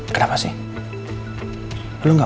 itu dia kita ngapain ya